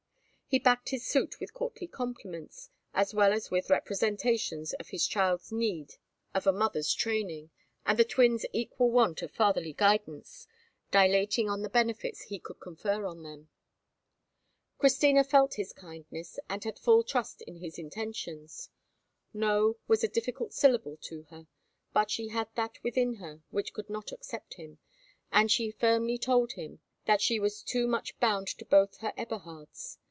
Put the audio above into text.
He backed his suit with courtly compliments, as well as with representations of his child's need of a mother's training, and the twins' equal want of fatherly guidance, dilating on the benefits he could confer on them. Christina felt his kindness, and had full trust in his intentions. "No" was a difficult syllable to her, but she had that within her which could not accept him; and she firmly told him that she was too much bound to both her Eberhards.